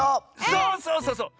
そうそうそうそう！